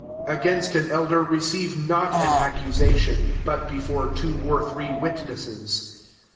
19 Against an elder receive not an accusa tion, but before two or three witnesses.